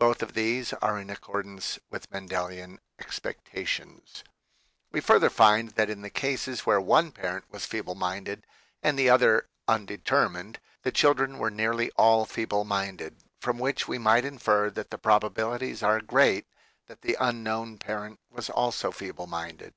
Both of these are in accord ance with Mendelian expectations. We further find that in the cases where one parent was feeble minded and the other undetermined, the children were nearly all feeble minded, from which we might infer that the probabilities are great that the unknown parent was also feeble minded.